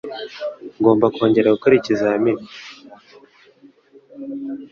Ngomba kongera gukora ikizamini.